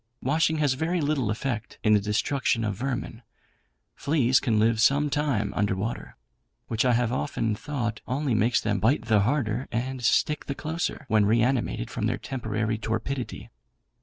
Washing has very little effect in the destruction of vermin. Fleas can live some time under water; which I have often thought only makes them bite the harder and stick the closer, when reanimated from their temporary torpidity.